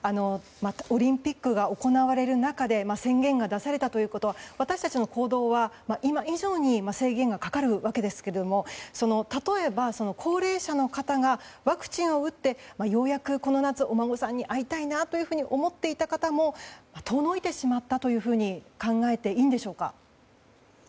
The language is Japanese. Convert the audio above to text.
オリンピックが行われる中で宣言が出されたということは私たちの行動には、今以上に制限がかかるわけですけれども例えば、高齢者の方がワクチンを打ってようやくこの夏お孫さんに会いたいなと思っていた方もそれが遠のいてしまったと考えていいんでしょうか。